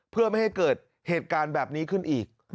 เพื่อไม่ให้เกิดเหตุการณ์แบบนี้ขึ้นอีก